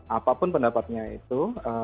apapun pendapatnya itu